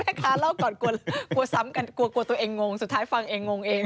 แม่ค้าเล่าก่อนกลัวตัวเองงงสุดท้ายฟังเองงงเอง